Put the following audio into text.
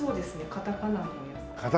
カタカナ。